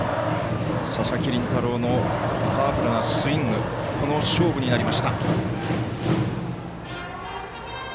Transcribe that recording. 佐々木麟太郎のパワフルなスイングこの勝負になりました。